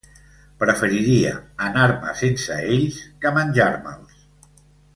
Preferiria anar-me"n sense ells que menjar-me"ls.